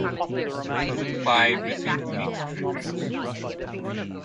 Season five received mixed reviews.